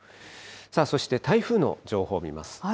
そして台風の情報を見ます。